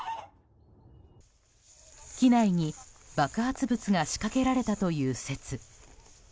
機内に爆発物が仕掛けられたという説。